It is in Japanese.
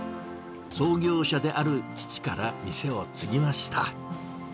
創業者である父から店を継ぎました。